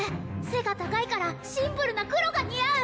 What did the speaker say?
背が高いからシンプルな黒が似合う！